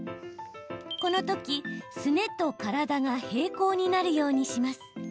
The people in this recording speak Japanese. このとき、すねと体が平行になるようにします。